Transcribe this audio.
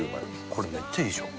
これめっちゃいいでしょ？